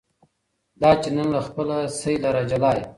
دا چي نن له خپله سېله را جلا یې